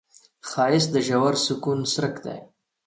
ښایست د ژور سکون څرک دی